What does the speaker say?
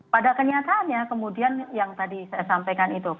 pada kenyataannya kemudian yang tadi saya sampaikan itu